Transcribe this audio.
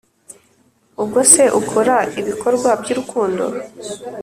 ubwose ukora ibikorwa by’urukundo